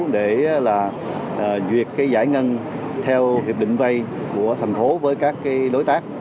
để là duyệt cái giải ngân theo hiệp định vay của thành phố với các đối tác